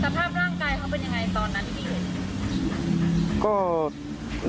สภาพร่างกายเขาเป็นยังไงตอนนั้นที่เห็น